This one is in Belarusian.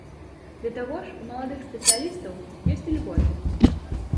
Да таго ж, у маладых спецыялістаў ёсць ільготы.